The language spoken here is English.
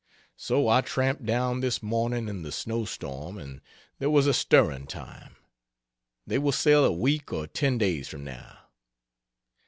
So I tramped down this morning in the snow storm and there was a stirring time. They will sail a week or ten days from now.